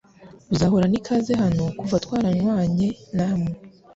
Uzahorana ikaze hano kuva twaranywanye namwe